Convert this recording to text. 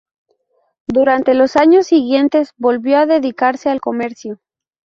Durante los años siguientes volvió a dedicarse al comercio.